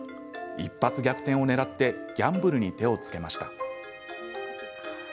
一発逆転をねらってギャンブルに手をつけました。